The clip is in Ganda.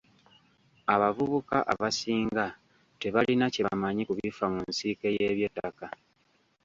Abavubuka abasinga tebalina kye bamanyi ku bifa mu nsiike y'eby'ettaka.